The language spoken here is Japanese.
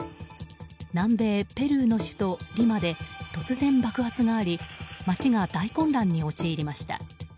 南米ペルーの首都リマで突然、爆発があり街が大混乱に陥りました。